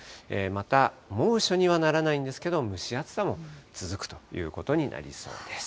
また猛暑にはならないんですけど、蒸し暑さも続くということになりそうです。